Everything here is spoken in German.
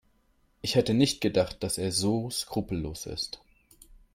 Ich hätte nicht gedacht, dass er so skrupellos ist.